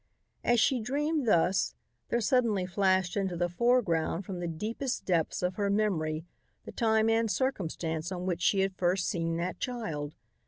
As she dreamed thus there suddenly flashed into the foreground from the deepest depths of her memory the time and circumstance on which she had first seen that child.